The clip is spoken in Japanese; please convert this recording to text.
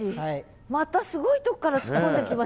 またすごいとこから突っ込んできましたね。